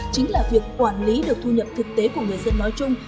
chính là việc quản lý được thu nhập thực tế của người dân nói chung